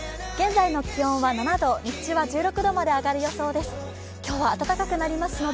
現在の気温は７度日中は１６度まで上がる予想です。